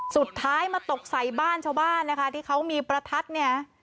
สุดท้ายมาตกใส่บ้านชาวบ้านนะคะที่เขามีประทัดเนี่ย